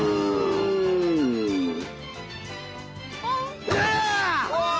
お！